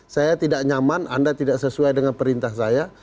saya tidak nyaman anda tidak sesuai dengan perintah saya